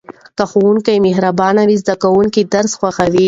که ښوونکی مهربان وي زده کوونکي درس خوښوي.